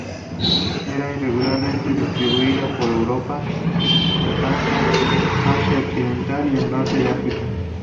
Está irregularmente distribuida por Europa, alcanza el Asia occidental y el Norte de África.